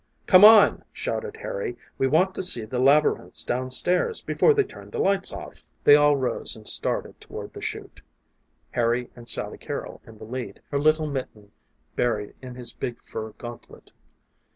"Come on!" shouted Harry. "We want to see the labyrinths down stairs before they turn the lights off!" They all rose and started toward the chute Harry and Sally Carrol in the lead, her little mitten buried in his big fur gantlet.